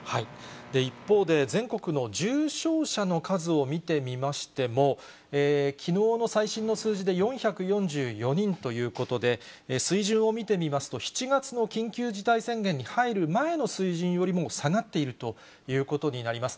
一方で、全国の重症者の数を見てみましても、きのうの最新の数字で４４４人ということで、水準を見てみますと、７月の緊急事態宣言に入る前の水準よりも下がっているということになります。